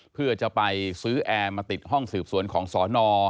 เพื่อจะไปซื้อแอร์มาติดห้องสืบสวนของสน